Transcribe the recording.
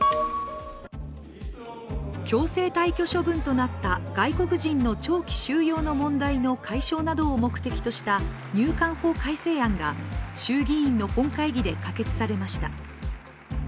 強制退去処分となった外国人の長期収容の問題の解消などを目的とした入管法改正案が衆議院の本会議で可決されました。